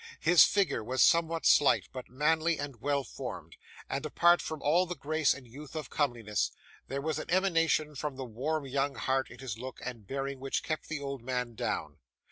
His figure was somewhat slight, but manly and well formed; and, apart from all the grace of youth and comeliness, there was an emanation from the warm young heart in his look and bearing which kept the old man down.